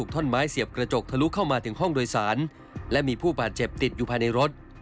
ทะลุเข้ามาถึงห้องโดยสารและมีผู้บาดเจ็บติดอยู่ภายในรถ